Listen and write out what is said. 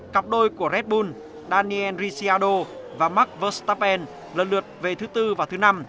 cặp đôi của red bull daniel ricciardo và marc verstappen lần lượt về thứ bốn và thứ năm